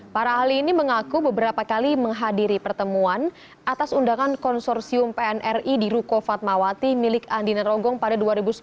para ahli ini mengaku beberapa kali menghadiri pertemuan atas undangan konsorsium pnri di ruko fatmawati milik andina rogong pada dua ribu sepuluh